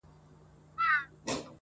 o روح مي نو څه وخت مهربانه په کرم نیسې.